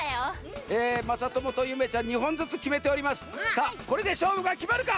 さあこれでしょうぶがきまるか？